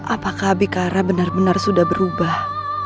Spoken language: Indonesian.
apakah bikara benar benar sudah berubah